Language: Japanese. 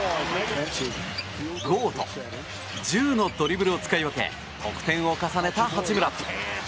剛と柔のドリブルを使い分け得点を重ねた八村。